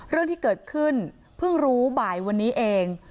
เรื่องที่เกิดขึ้นเพิ่งรู้บ่ายวันนี้เอง